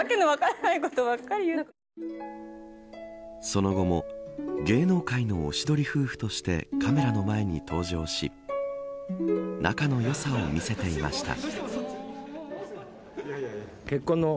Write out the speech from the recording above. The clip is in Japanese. その後も芸能界のおしどり夫婦としてカメラの前に登場し仲のよさを見せていました。